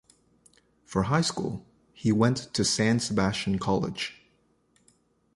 For high school, he went to San Sebastian College.